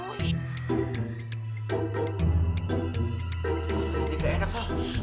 nanti ga enak so